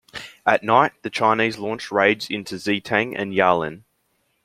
At night, the Chinese launched raids into Xitang and Yaolin.